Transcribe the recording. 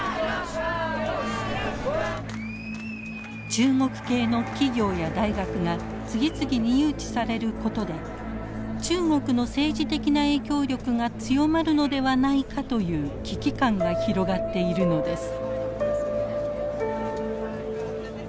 中国系の企業や大学が次々に誘致されることで中国の政治的な影響力が強まるのではないかという危機感が広がっているのです。